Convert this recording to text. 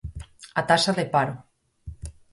A taxa de paro.